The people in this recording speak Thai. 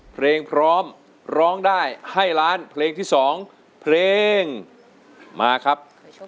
เพลงพร้อมร้องได้ให้ล้านเพลงที่๒เพลงมาครับ